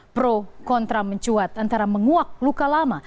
pro kontra mencuat antara menguak luka lama